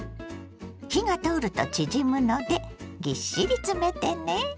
火が通ると縮むのでぎっしり詰めてね。